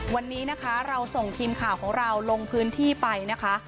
วันนี้นะคะเราส่งทีมข่าวของเราลงพื้นที่ไปนะคะ